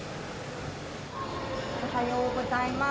おはようございます。